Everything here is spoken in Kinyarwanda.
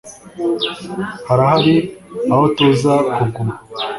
harahari aho tuza kuguma